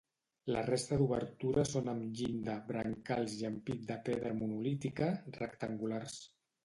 La resta d’obertures són amb llinda, brancals i ampit de pedra monolítica, rectangulars.